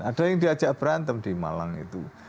ada yang diajak berantem di malang itu